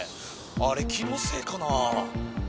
あれ気のせいかなぁ。